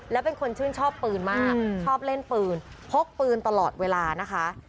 แล้วเป็นคนชื่นชอบปืนมากชอบเล่นปืนพกปืนตลอดเวลานะคะ